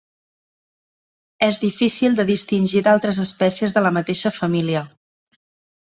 És difícil de distingir d'altres espècies de la mateixa família.